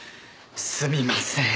すみません。